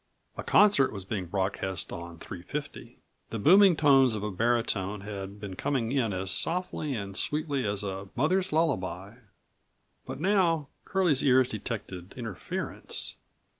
A concert was being broadcast on 350. The booming tones of a baritone had been coming in as softly and sweetly as a mother's lullaby. But now Curlie's ear detected interference.